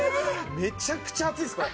めちゃくちゃ熱いですこれ。